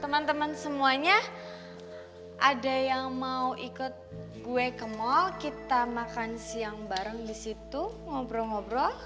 teman teman semuanya ada yang mau ikut gue ke mal kita makan siang bareng di situ ngobrol ngobrol